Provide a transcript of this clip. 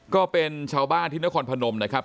ก็เป็นชาวบ้านที่นครพนมนะครับ